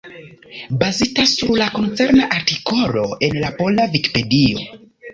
Bazita sur la koncerna artikolo en la pola Vikipedio.